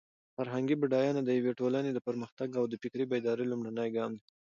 فرهنګي بډاینه د یوې ټولنې د پرمختګ او د فکري بیدارۍ لومړنی ګام دی.